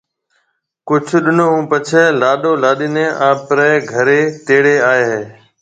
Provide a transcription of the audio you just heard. ڪجھ ڏنون ھون پڇيَ لاڏو لاڏِي نيَ آپرَي گھرَي تيڙي آئيَ ھيََََ